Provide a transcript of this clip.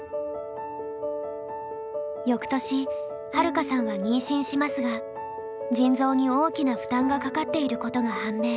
よくとしはるかさんは妊娠しますが腎臓に大きな負担がかかっていることが判明。